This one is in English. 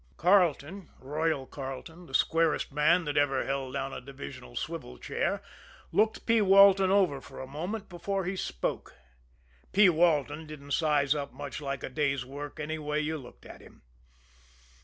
Carleton, "Royal" Carleton, the squarest man that ever held down a divisional swivel chair, looked P. Walton over for a moment before he spoke. P. Walton didn't size up much like a day's work anyway you looked at him.